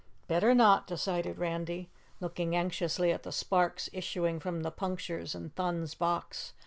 "Better not," decided Randy, looking anxiously at the sparks issuing from the punctures in Thun's box.